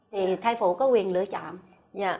thì thai phụ có quyền lựa chọn